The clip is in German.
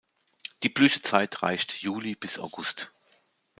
Die Blütezeit reicht Juli bis August.